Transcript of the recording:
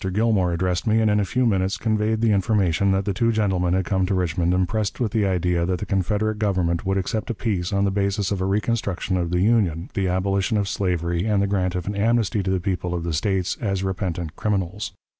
Gilmore addressed me, and in a few minutes conveyed the information that the two gentlemen had come to Richmond impressed with the idea that the Confederate Government would accept a peace on the basis of a reconstruction of the Union, the abolition of slavery, and the grant of an amnesty to the people of the States as repentant criminals.